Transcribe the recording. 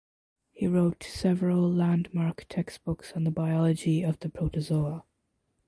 He wrote several landmark textbooks on the biology of the protozoa.